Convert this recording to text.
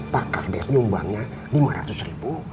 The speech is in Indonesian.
pak kardes nyumbangnya lima ratus ribu